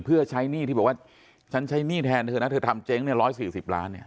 เพื่อใช้หนี้ที่บอกว่าฉันใช้หนี้แทนเธอนะเธอทำเจ๊งเนี่ย๑๔๐ล้านเนี่ย